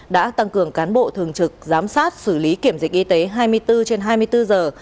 đã tăng cường cán bộ thường trực giám sát xử lý kiểm dịch y tế hai mươi bốn trên hai mươi bốn giờ